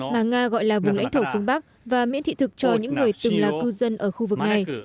mà nga gọi là vùng lãnh thổ phương bắc và miễn thị thực cho những người từng là cư dân ở khu vực này